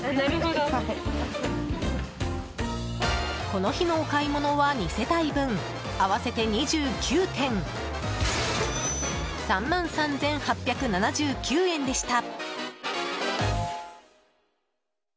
この日のお買い物は２世帯分合わせて２９点３万３８７９円でした。